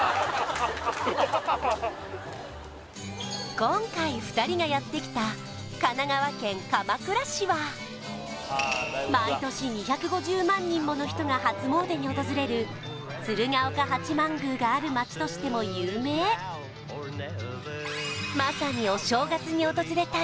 今回２人がやってきたは毎年２５０万人もの人が初詣に訪れる鶴岡八幡宮がある街としても有名まさにお正月に訪れたい